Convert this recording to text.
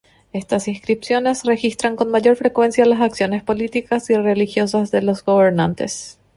Estas inscripciones registran con mayor frecuencia las acciones políticas y religiosas de los gobernantes.